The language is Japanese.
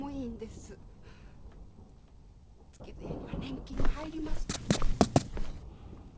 月末には年金が入りますから。